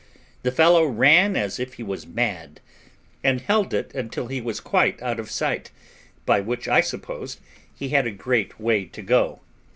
The fellow ran as if he was mad, and held it till he was quite out of sight, by which I supposed he had a great way to go.